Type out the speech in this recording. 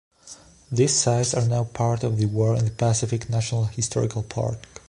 These sites are now part of the War in the Pacific National Historical Park.